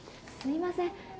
すいません。